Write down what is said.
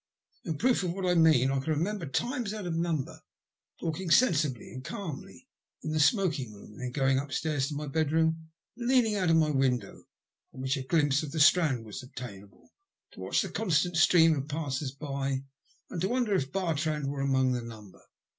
In proof of what I mean, I can remember, times out of number, talking sensibly and calmly enough in the smoking room, and then going upstairs to my bedroom and leaning out of my window, from which a glimpse of the Strand was obtainable, to watch the constant stream of passers by and to wonder if Bartrand were among the number.